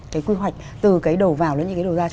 cái quy hoạch từ cái đổ vào đến những cái đổ ra